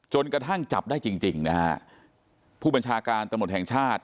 จนกระทั่งจับได้จริงจริงนะฮะผู้บัญชาการตำรวจแห่งชาติ